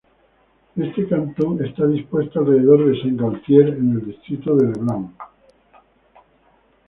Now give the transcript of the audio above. Este cantón está dispuesto alrededor de Saint-Gaultier en el distrito de Le Blanc.